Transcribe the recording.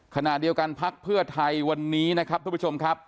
ขณะเดียวกันพักเพื่อไทยวันนี้นะครับทุกผู้ชมครับ